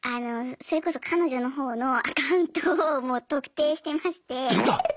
それこそ彼女の方のアカウントをもう「特定」してまして。